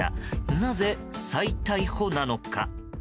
なぜ再逮捕なのか。